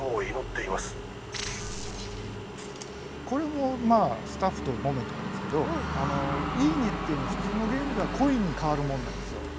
これもスタッフともめたんですけど「いいね」っていうの普通のゲームではコインにかわるものなんですよ。